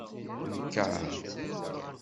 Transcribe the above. Nker!